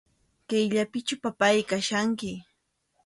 Kayllapichu, papáy, kachkanki.